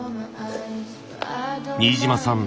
新島さん